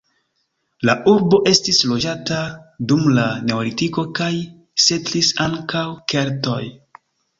La urbo estis loĝata dum la neolitiko kaj setlis ankaŭ keltoj.